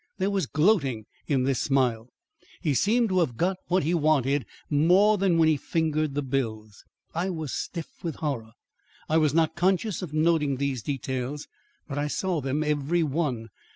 There was gloating in this smile. He seemed to have got what he wanted more than when he fingered the bills. I was stiff with horror. I was not conscious of noting these details, but I saw them every one.